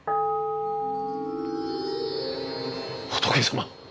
仏様！